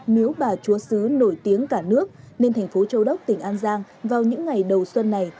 nếu bà chúa sứ nổi tiếng cả nước nên thành phố châu đốc tỉnh an giang vào những ngày đầu xuân này